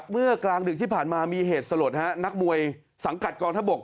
เมื่อกลางดึกที่ผ่านมามีเหตุสลดนักมวยสังกัดกองทบก